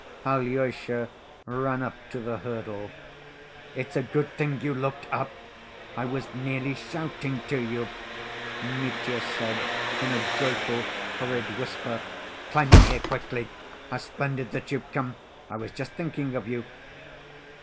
Alyosha ran up to the hurdle. "It's a good thing you looked up. I was nearly shouting to you," Mitya said in a joyful, hurried whisper. "Climb in here quickly! How splendid that you've come! I was just thinking of you!"